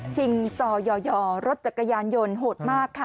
จอย่อรถจักรยานยนต์โหดมากค่ะ